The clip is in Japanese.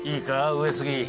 上杉。